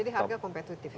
jadi harga kompetitif